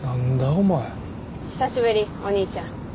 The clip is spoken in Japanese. お前久しぶりお兄ちゃん